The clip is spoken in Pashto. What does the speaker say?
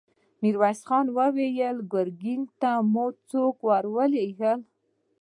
ميرويس خان وويل: ګرګين ته مو څوک ور ولېږه؟